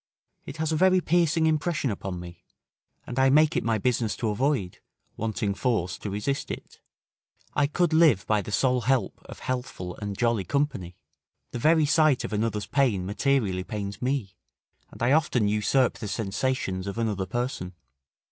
It has a very piercing impression upon me; and I make it my business to avoid, wanting force to resist it. I could live by the sole help of healthful and jolly company: the very sight of another's pain materially pains me, and I often usurp the sensations of another person.